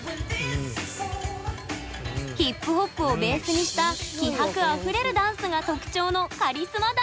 ヒップホップをベースにした気迫あふれるダンスが特徴のカリスマダンサー。